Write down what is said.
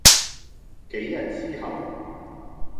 幾日之後